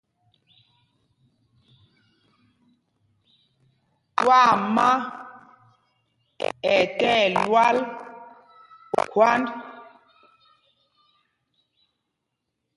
Twaama ɛ tí ɛlwal khwǎnd.